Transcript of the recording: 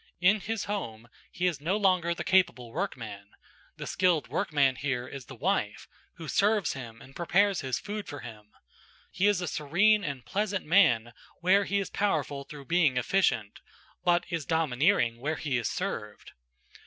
In his home, he is no longer the capable workman; the skilled workman here is the wife, who serves him and prepares his food for him. He is a serene and pleasant man where he is powerful through being efficient, but is domineering where he is served.